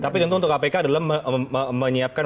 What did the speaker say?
tapi tentu untuk kpk adalah menyiapkan